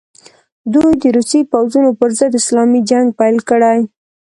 دوی د روسي پوځونو پر ضد اسلامي جنګ پیل کړي.